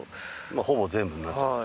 ほぼ全部になっちゃう。